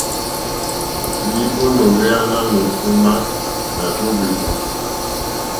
Rzìi ò no ohweya nanù ema, na rza ohvi woli.